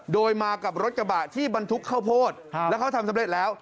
โดยมากับรถกระบะที่บรรทุกข้าวโพดแล้วเขาทำสำเร็จแล้ว